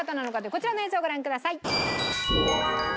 こちらの映像ご覧ください。